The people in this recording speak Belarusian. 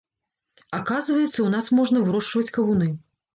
Аказваецца, у нас можна вырошчваць кавуны.